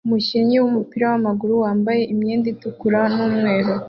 Umukinnyi wumupira wamaguru wambaye imyenda itukura numweru